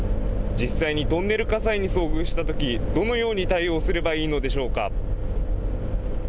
実際にトンネル火災に遭遇したとき、どのように対応すればいいのでしょうか。